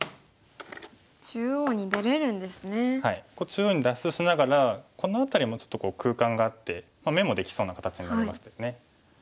中央に脱出しながらこの辺りもちょっと空間があって眼もできそうな形になりましたよね。